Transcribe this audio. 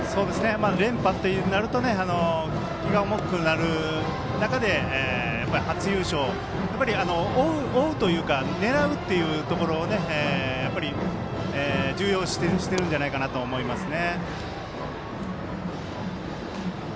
連覇となると気が重くなる中で初優勝、追うというか狙うというところをやっぱり重要視してるんじゃないかなと思いますね。